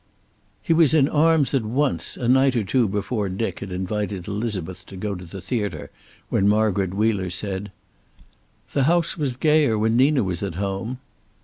He was in arms at once a night or two before Dick had invited Elizabeth to go to the theater when Margaret Wheeler said: "The house was gayer when Nina was at home."